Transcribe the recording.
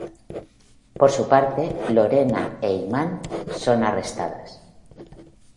Por su parte, Lorena e Imán son arrestadas.